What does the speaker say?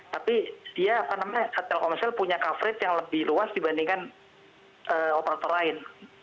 tapi dia apa namanya telkomsel punya coverage yang lebih luas dibandingkan operator lain